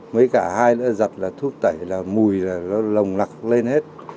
mấy cả hai nữa giặt là thuốc tẩy là mùi là nó lồng lặc lên hết